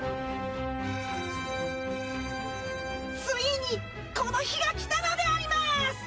ついにこの日がきたのであります！